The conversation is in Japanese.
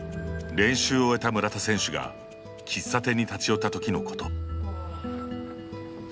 練習を終えた村田選手が喫茶店に立ち寄ったときのこと。